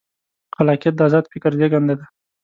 خلاقیت د ازاد فکر زېږنده دی.